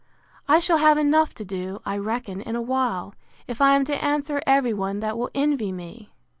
I shall have enough to do, I reckon, in a while, if I am to answer every one that will envy me!